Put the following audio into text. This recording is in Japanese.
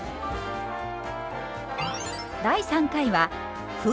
第３回は麩。